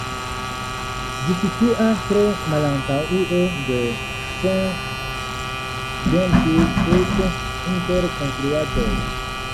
Ĝi situas tre malantaŭe de St James' Street inter konstruaĵoj.